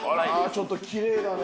ちょっときれいだね。